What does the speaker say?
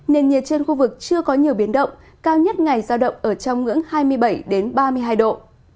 nền nhiệt trên khu vực chưa có nhiều biến động cao nhất ngày giao động ở trong ngưỡng hai mươi bảy ba mươi hai độ